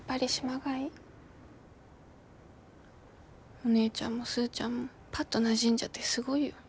お姉ちゃんもスーちゃんもパッとなじんじゃってすごいよ。